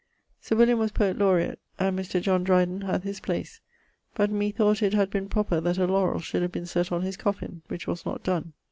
Sir William was Poet Laureat; and Mr. John Dryden hath his place. But me thought it had been proper that a laurell should have been sett on his coffin which was not donne.